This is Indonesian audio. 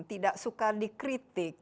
tidak suka dikritik